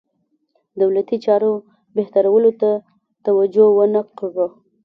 دولتي چارو بهترولو ته توجه ونه کړه.